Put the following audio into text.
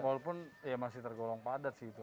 walaupun ya masih tergolong padat sih itu